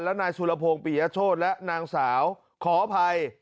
และนายสุรพงศ์ปียโชธและนางสาวขออภัย